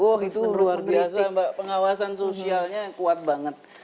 wah itu luar biasa mbak pengawasan sosialnya kuat banget